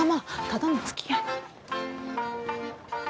ただのつきあい。